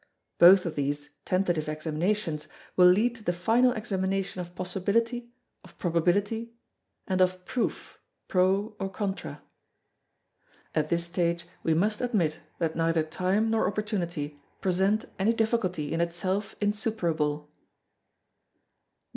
Both of these tentative examinations will lead to the final examination of possibility, of probability, and of proof pro or contra. At this stage we must admit that neither time nor opportunity present any difficulty in itself insuperable.